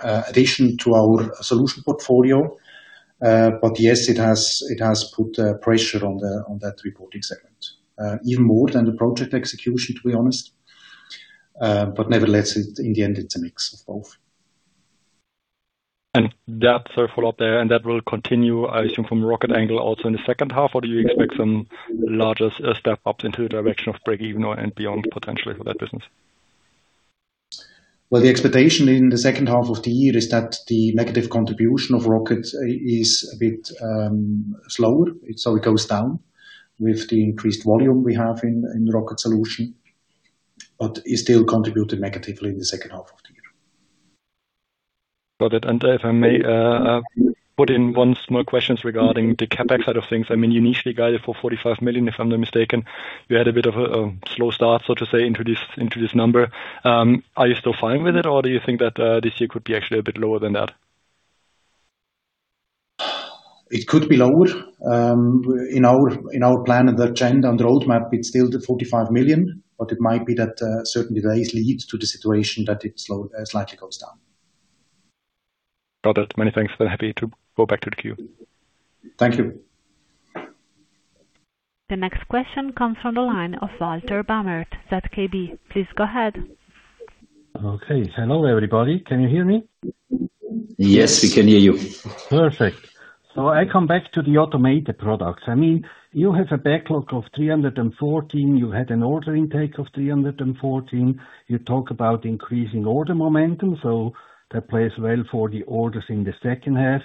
addition to our solution portfolio. Yes, it has put pressure on that reporting segment. Even more than the project execution, to be honest. Nevertheless, in the end, it's a mix of both. That will follow up there, that will continue, I assume, from Rocket angle also in the second half? Do you expect some larger step-ups into the direction of break-even or beyond potentially for that business? The expectation in the second half of the year is that the negative contribution of Rocket is a bit slower. It goes down with the increased volume we have in Rocket Solution, but it still contributed negatively in the second half of the year. Got it. If I may put in one small question regarding the CapEx side of things. You initially guided for 45 million, if I'm not mistaken. You had a bit of a slow start, so to say, into this number. Are you still fine with it, or do you think that this year could be actually a bit lower than that? It could be lower. In our plan and the agenda and the roadmap, it's still the 45 million. It might be that certain delays lead to the situation that it slightly goes down. Got it. Many thanks. Happy to go back to the queue. Thank you. The next question comes from the line of Walter Bamert, ZKB. Please go ahead. Okay. Hello, everybody. Can you hear me? Yes, we can hear you. I come back to the automated products. You have a backlog of 314. You had an order intake of 314. You talk about increasing order momentum, so that plays well for the orders in the second half.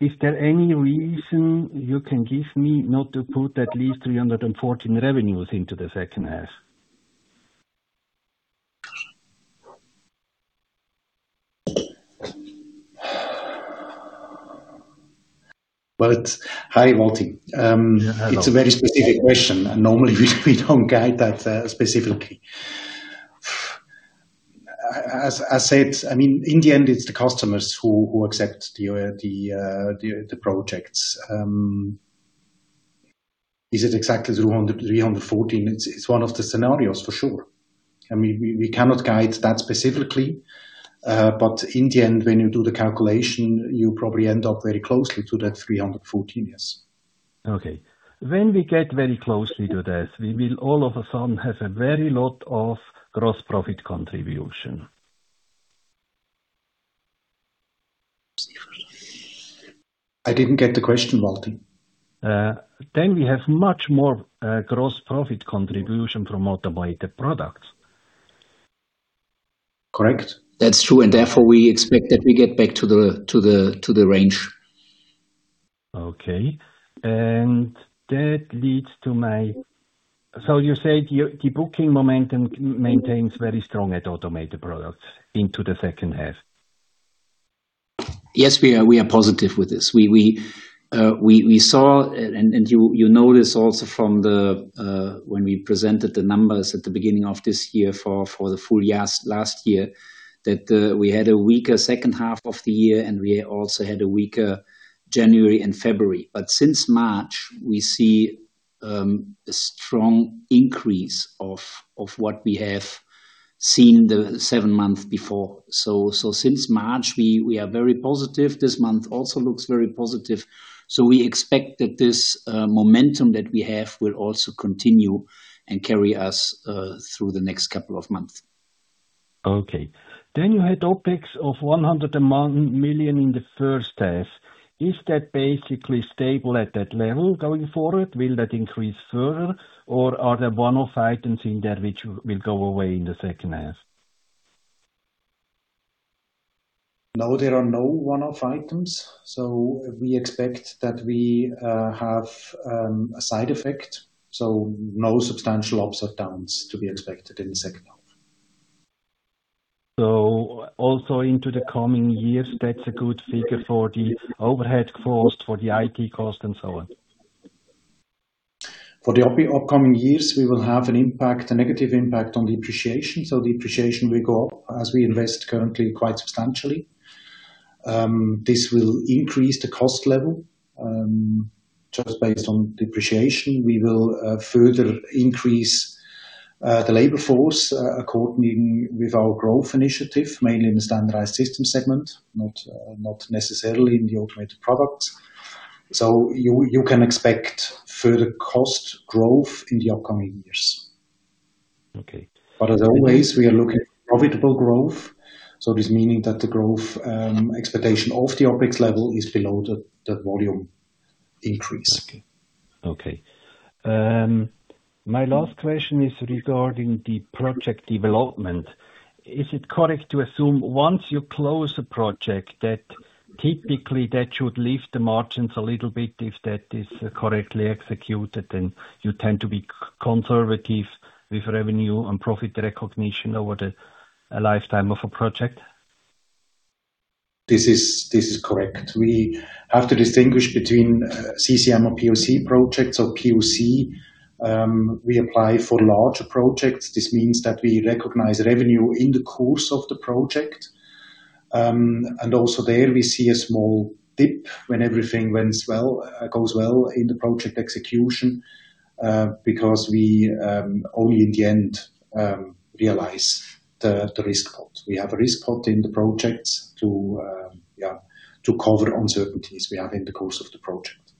Is there any reason you can give me not to put at least 314 revenues into the second half? Well, hi, Walter. Hello. It's a very specific question. Normally we don't guide that specifically. As I said, in the end, it's the customers who accept the projects. Is it exactly 314? It's one of the scenarios, for sure. We cannot guide that specifically. In the end, when you do the calculation, you probably end up very closely to that 314, yes. Okay. When we get very closely to this, we will all of a sudden have a very lot of gross profit contribution. I didn't get the question, Walter. We have much more gross profit contribution from automated products. Correct. That's true, and therefore, we expect that we get back to the range. Okay. You said the booking momentum maintains very strong at automated products into the second half. Yes, we are positive with this. We saw, and you notice also from when we presented the numbers at the beginning of this year for the full last year, that we had a weaker second half of the year, and we also had a weaker January and February. Since March, we see a strong increase of what we have seen the seven months before. Since March, we are very positive. This month also looks very positive. We expect that this momentum that we have will also continue and carry us through the next couple of months. Okay. You had OpEx of 100 million in the first half. Is that basically stable at that level going forward? Will that increase further, or are there one-off items in there which will go away in the second half? No, there are no one-off items. We expect that we have a side effect, so no substantial ups or downs to be expected in the second half. Also into the coming years, that's a good figure for the overhead cost, for the IT cost, and so on. For the upcoming years, we will have a negative impact on depreciation. Depreciation will go up as we invest currently quite substantially. This will increase the cost level. Just based on depreciation, we will further increase the labor force accordingly with our growth initiative, mainly in the standardized system segment, not necessarily in the automated products. You can expect further cost growth in the upcoming years. Okay. As always, we are looking at profitable growth. This meaning that the growth expectation of the OpEx level is below the volume increase. Okay. My last question is regarding the project development. Is it correct to assume once you close a project that typically that should lift the margins a little bit if that is correctly executed, and you tend to be conservative with revenue and profit recognition over the lifetime of a project? This is correct. We have to distinguish between CCM or POC projects. POC, we apply for larger projects. This means that we recognize revenue in the course of the project. Also there we see a small dip when everything goes well in the project execution, because we only in the end realize the risk pot. We have a risk pot in the projects to cover uncertainties we have in the course of the project.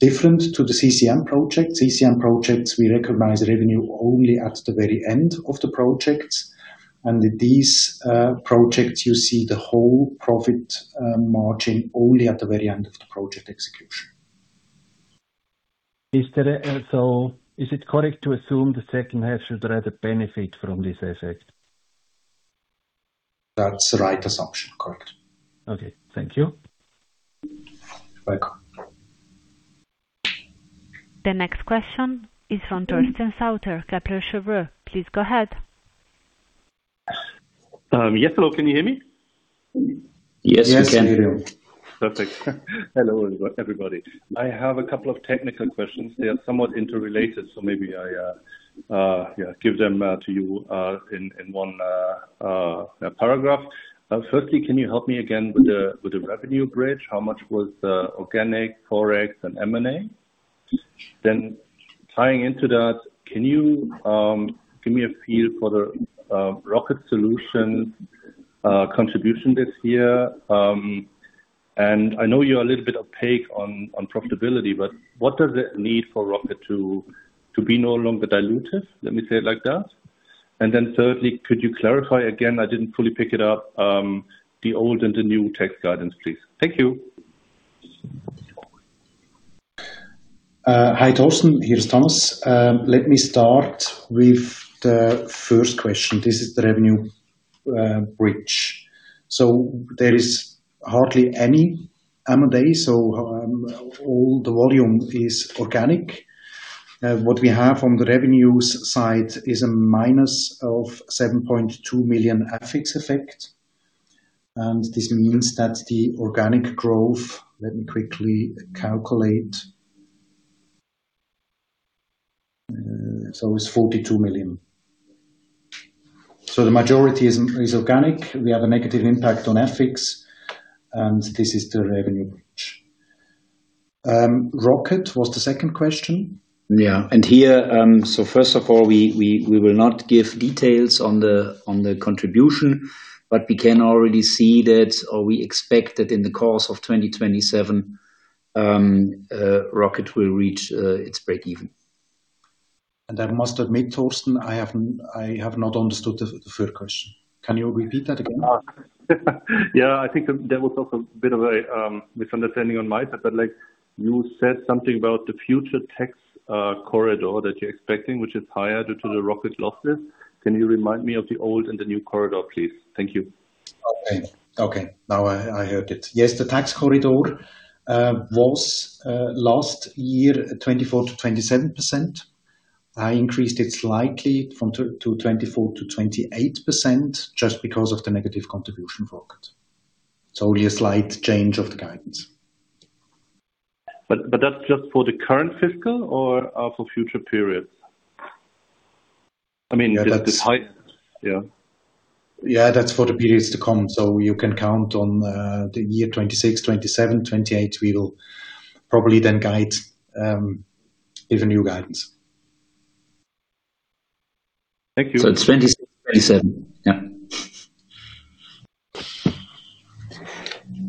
Different to the CCM project, CCM projects, we recognize revenue only at the very end of the projects. With these projects, you see the whole profit margin only at the very end of the project execution. Is it correct to assume the second half should rather benefit from this effect? That's the right assumption. Correct. Okay. Thank you. Welcome. The next question is from Torsten Sauter, Kepler Cheuvreux. Please go ahead. Yes. Hello, can you hear me? Yes, we can. Yes, we do. Perfect. Hello, everybody. I have a couple of technical questions. They are somewhat interrelated, maybe I give them to you in one paragraph. Firstly, can you help me again with the revenue bridge? How much was the organic ForEx and M&A? Tying into that, can you give me a feel for the Rocket Solution contribution this year? I know you're a little bit opaque on profitability, what does it need for Rocket to be no longer dilutive? Let me say it like that. Thirdly, could you clarify again, I didn't fully pick it up, the old and the new tax guidance, please. Thank you. Hi, Torsten. Here's Thomas. Let me start with the first question. This is the revenue bridge. There is hardly any M&A, so all the volume is organic. What we have on the revenues side is a -7.2 million FX effect. This means that the organic growth, let me quickly calculate. It's 42 million. The majority is organic. We have a negative impact on FX, and this is the revenue bridge. Rocket was the second question? Yeah. Here, first of all, we will not give details on the contribution, but we can already see that or we expect that in the course of 2027, Rocket will reach its breakeven. I must admit, Torsten, I have not understood the third question. Can you repeat that again? Yeah. I think there was also a bit of a misunderstanding on my part, but you said something about the future tax corridor that you're expecting, which is higher due to the Rocket losses. Can you remind me of the old and the new corridor, please? Thank you. Okay. Now I heard it. Yes, the tax corridor was last year, 24%-27%. I increased it slightly from 24%-28%, just because of the negative contribution of Rocket. Only a slight change of the guidance. That's just for the current fiscal or for future periods? I mean, this is high. Yeah. Yeah, that's for the periods to come. You can count on the year 2026, 2027, 2028. We will probably then give a new guidance. Thank you. It's 2026, 2027.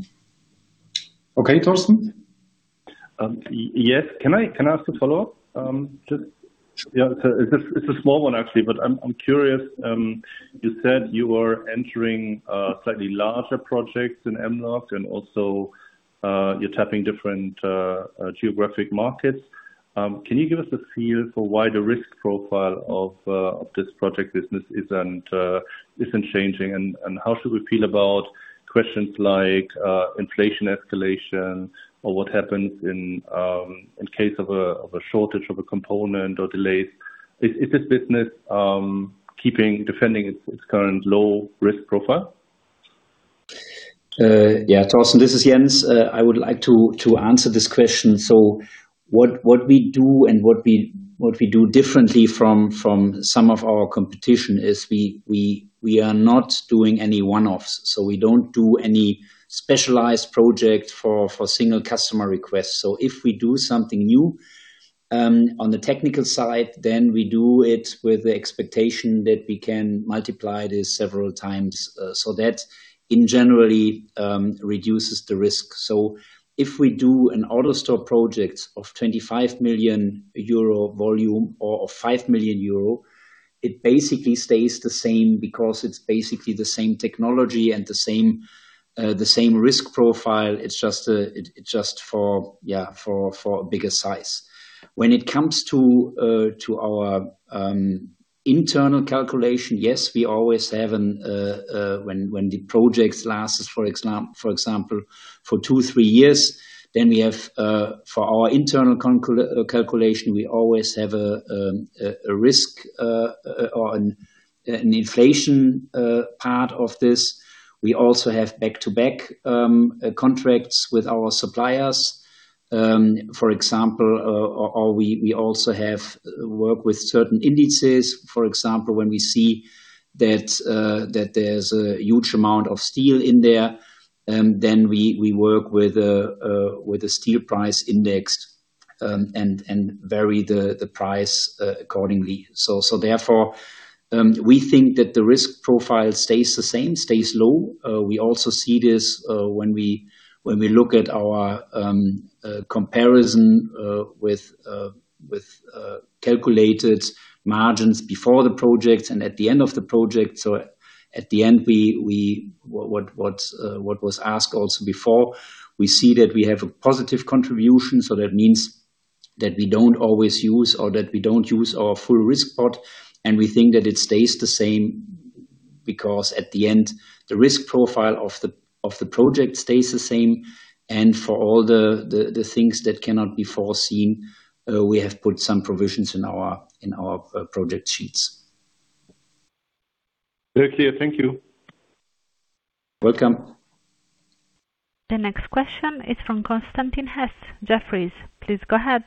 Yeah. Okay, Torsten. Yes. Can I ask a follow-up? It's a small one, actually, but I'm curious. You said you were entering slightly larger projects in Mlog and also you're tapping different geographic markets. Can you give us a feel for why the risk profile of this project business isn't changing? How should we feel about questions like inflation escalation or what happens in case of a shortage of a component or delays? Is this business keeping, defending its current low-risk profile? Yeah, Torsten, this is Jens. I would like to answer this question. What we do and what we do differently from some of our competition is we are not doing any one-offs. We don't do any specialized project for single customer requests. If we do something new on the technical side, then we do it with the expectation that we can multiply this several times. That in generally reduces the risk. If we do an AutoStore project of 25 million euro volume or 5 million euro, it basically stays the same because it's basically the same technology and the same risk profile. It's just for a bigger size. When it comes to our internal calculation, yes, we always have when the project lasts, for example, for two, three years, then we have for our internal calculation, we always have a risk or an inflation part of this. We also have back-to-back contracts with our suppliers. For example, we also have work with certain indices. When we see that there's a huge amount of steel in there, then we work with a steel price index, and vary the price accordingly. Therefore, we think that the risk profile stays the same, stays low. We also see this when we look at our comparison with calculated margins before the project and at the end of the project. At the end, what was asked also before, we see that we have a positive contribution. That means that we don't use our full risk pot, and we think that it stays the same, because at the end, the risk profile of the project stays the same. For all the things that cannot be foreseen, we have put some provisions in our project sheets. Very clear. Thank you. Welcome. The next question is from Constantin Hesse, Jefferies. Please go ahead.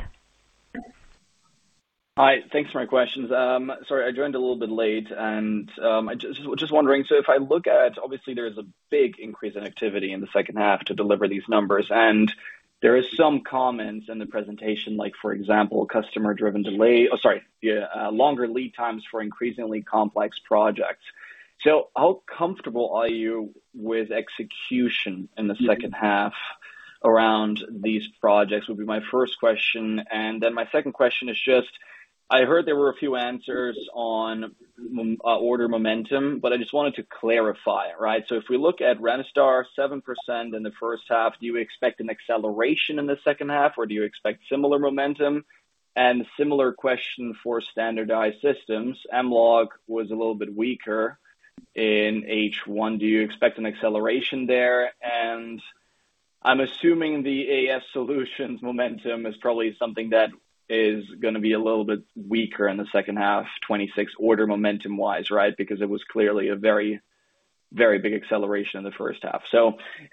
Hi. Thanks for my questions. Sorry, I joined a little bit late and, just wondering. If I look at, obviously there is a big increase in activity in the second half to deliver these numbers, and there is some comments in the presentation, like for example, customer-driven delay, sorry, longer lead times for increasingly complex projects. How comfortable are you with execution in the second half around these projects? Would be my first question. My second question is just, I heard there were a few answers on order momentum, but I just wanted to clarify, right? If we look at Remstar, 7% in the first half, do you expect an acceleration in the second half, or do you expect similar momentum? Similar question for standardized systems. Mlog was a little bit weaker in H1. Do you expect an acceleration there? I'm assuming the AS Solutions momentum is probably something that is going to be a little bit weaker in the second half 2026, order momentum-wise, right? Because it was clearly a very big acceleration in the first half.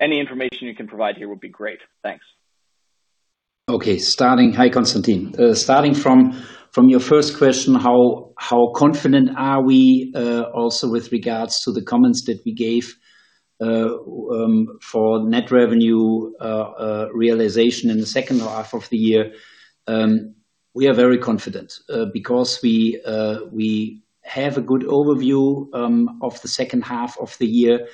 Any information you can provide here would be great. Thanks. Okay. Hi, Constantin. Starting from your first question, how confident are we, also with regards to the comments that we gave, for net revenue realization in the second half of the year. We are very confident, because we have a good overview of the second half of the year.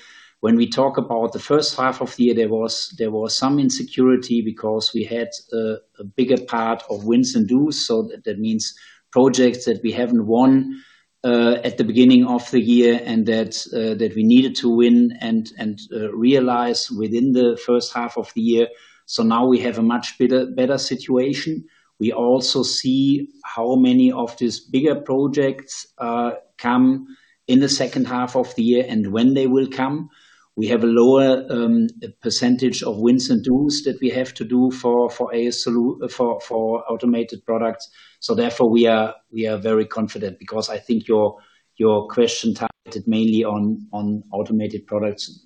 When we talk about the first half of the year, there was some insecurity because we had a bigger part of wins and dues. That means projects that we haven't won, at the beginning of the year and that we needed to win and realize within the first half of the year. Now we have a much better situation. We also see how many of these bigger projects come in the second half of the year and when they will come. We have a lower percentage of wins and dues that we have to do for automated products. Therefore we are very confident because I think your question targeted mainly on automated products.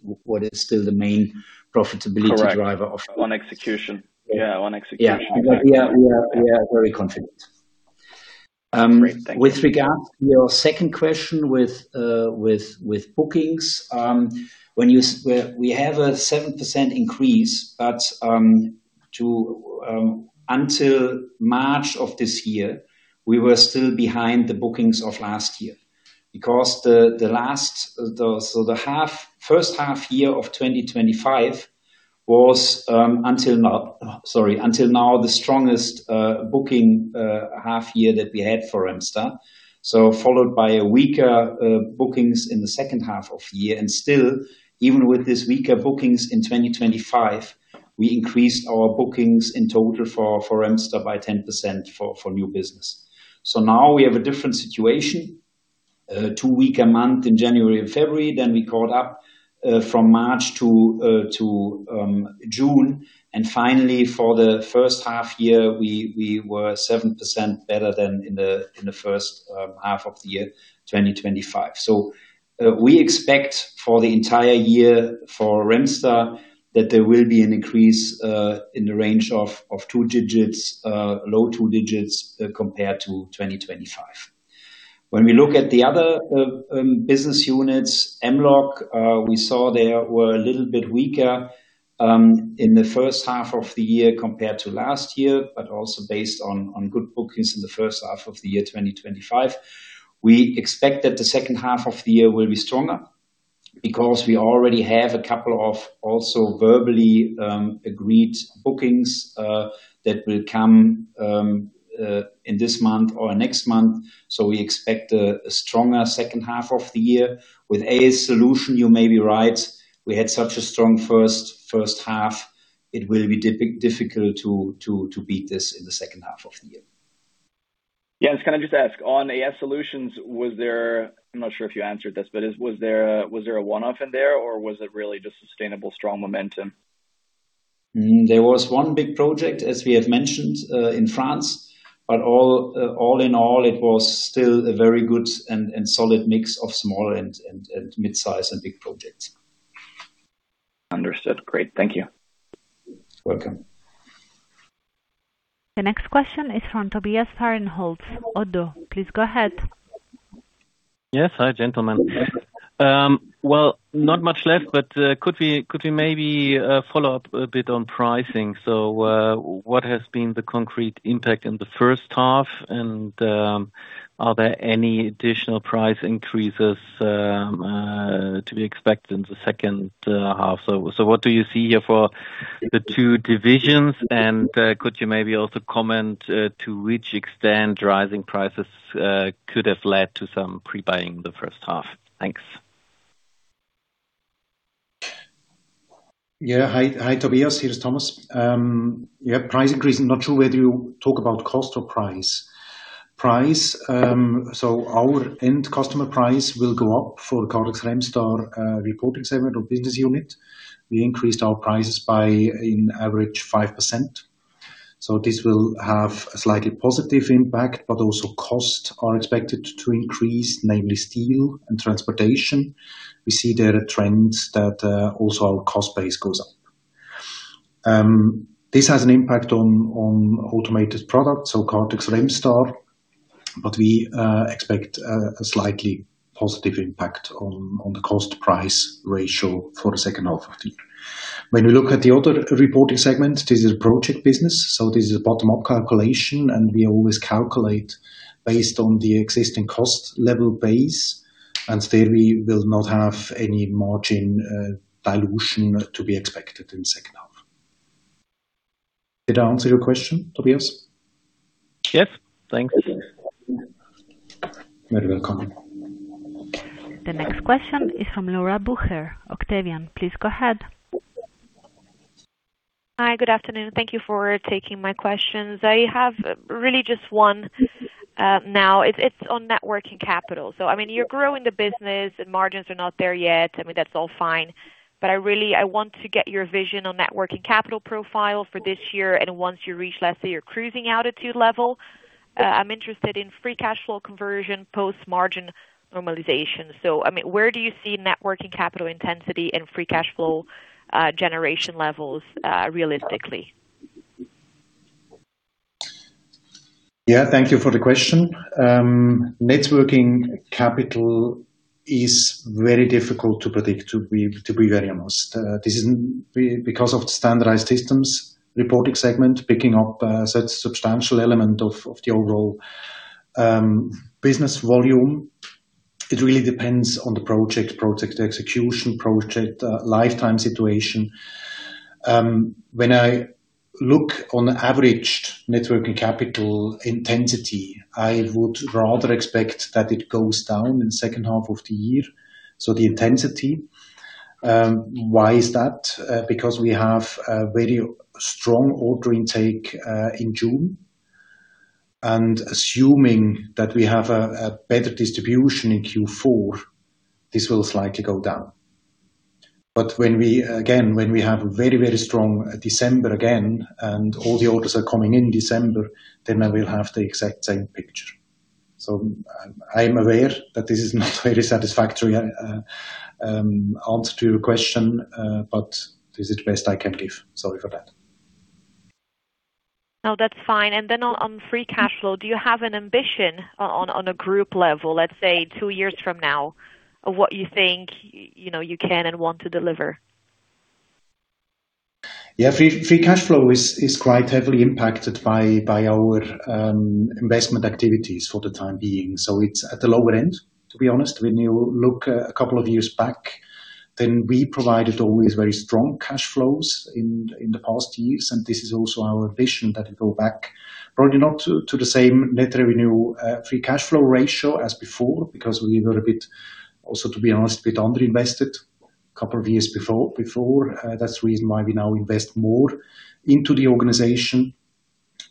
Correct. On execution. Yeah, on execution. Yeah. We are very confident. Great. Thank you. With regard to your second question with bookings, we have a 7% increase, but until March of this year, we were still behind the bookings of last year. The first half year of 2025 was, until now, the strongest booking half year that we had for Remstar. Followed by a weaker bookings in the second half of the year, and still, even with this weaker bookings in 2025, we increased our bookings in total for Remstar by 10% for new business. Now we have a different situation. Two weaker month in January and February. We caught up from March to June. Finally, for the first half year, we were 7% better than in the first half of the year 2025. We expect for the entire year for Remstar that there will be an increase in the range of low two digits compared to 2025. When we look at the other business units, Mlog, we saw they were a little bit weaker in the first half of the year compared to last year, but also based on good bookings in the first half of 2025. We expect that the second half of the year will be stronger because we already have a couple of also verbally agreed bookings, that will come in this month or next month. We expect a stronger second half of the year. With AS Solutions, you may be right. We had such a strong first half. It will be difficult to beat this in the second half of the year. Yeah. Can I just ask, on AS Solutions, I'm not sure if you answered this, but was there a one-off in there, or was it really just sustainable strong momentum? There was one big project, as we have mentioned, in France, all in all, it was still a very good and solid mix of small and mid-size and big projects. Understood. Great. Thank you. You're welcome. The next question is from Tobias Fahrenholz, ODDO. Please go ahead. Yes. Hi, gentlemen. Not much left, but could we maybe follow up a bit on pricing? What has been the concrete impact in the first half, and are there any additional price increases to be expected in the second half? What do you see here for the two divisions, and could you maybe also comment to which extent rising prices could have led to some pre-buying the first half? Thanks. Hi, Tobias. Here is Thomas. Price increase. I'm not sure whether you talk about cost or price. Price, our end customer price will go up for Kardex Remstar reporting segment or business unit. We increased our prices by, in average, 5%. This will have a slightly positive impact, but also costs are expected to increase, namely steel and transportation. We see there are trends that also our cost base goes up. This has an impact on automated products, Kardex Remstar, but we expect a slightly positive impact on the cost-price ratio for the second half of the year. When we look at the other reporting segment, this is a project business. This is a bottom-up calculation, and we always calculate based on the existing cost level base, and there we will not have any margin dilution to be expected in the second half. Did I answer your question, Tobias? Yep. Thanks. You're very welcome. The next question is from Laura Bucher. Octavian, please go ahead. Hi. Good afternoon. Thank you for taking my questions. I have really just one now. It's on Net Working Capital. I mean, you're growing the business, and margins are not there yet. I mean, that's all fine. I want to get your vision on Net Working Capital profile for this year, and once you reach, let's say, your cruising altitude level. I'm interested in free cash flow conversion post margin normalization. I mean, where do you see Net Working Capital intensity and free cash flow generation levels realistically? Yeah, thank you for the question. Net Working Capital is very difficult to predict, to be very honest. This isn't because of the standardized systems reporting segment picking up such substantial element of the overall business volume. It really depends on the project execution, project lifetime situation. When I look on averaged Net Working Capital intensity, I would rather expect that it goes down in the second half of the year. The intensity. Why is that? Because we have a very strong order intake in June, and assuming that we have a better distribution in Q4, this will slightly go down. Again, when we have a very strong December again, and all the orders are coming in December, then I will have the exact same picture. I am aware that this is not a very satisfactory answer to your question, but this is the best I can give. Sorry for that. No, that's fine. Then on free cash flow, do you have an ambition on a group level, let's say two years from now, of what you think you can and want to deliver? Yeah. Free cash flow is quite heavily impacted by our investment activities for the time being. It's at the lower end, to be honest. When you look a couple of years back, we provided always very strong cash flows in the past years, and this is also our vision that we go back, probably not to the same net revenue free cash flow ratio as before, because we were a bit, also, to be honest, bit under-invested a couple of years before. That's the reason why we now invest more into the organization.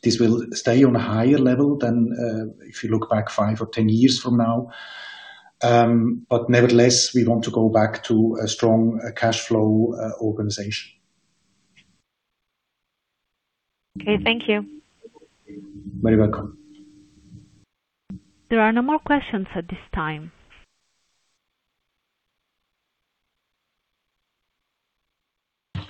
This will stay on a higher level than if you look back five or 10 years from now. Nevertheless, we want to go back to a strong cash flow organization. Okay, thank you. You're very welcome. There are no more questions at this time.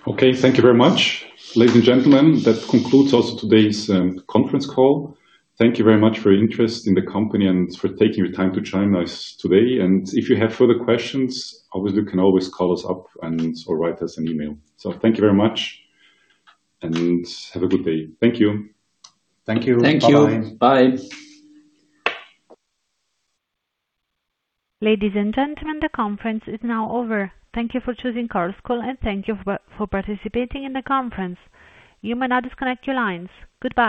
Okay. Thank you very much. Ladies and gentlemen, that concludes also today's conference call. Thank you very much for your interest in the company and for taking the time to join us today. If you have further questions, you can always call us up or write us an email. Thank you very much, and have a good day. Thank you. Ladies and gentlemen, the conference is now over. Thank you for choosing Chorus Call, and thank you for participating in the conference. You may now disconnect your lines. Goodbye.